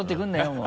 もう。